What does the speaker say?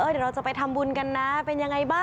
เดี๋ยวเราจะไปทำบุญกันนะเป็นยังไงบ้าง